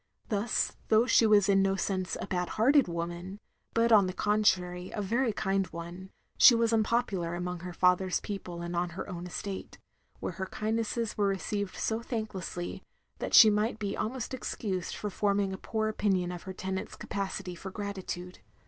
Thus, though she was in no sense, a bad hearted woman, but on the contrary a very kind one, she was unpopular among her father's people and on her own estate; where her kindnesses were received so thanklessly that she might be almost excused for forming a poor opinion of her tenants' capacity for gratitude.